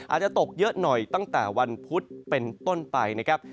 อาจจะตกเยอะหน่อยตั้งแต่วันพุธเป็นต้นไปนะครับ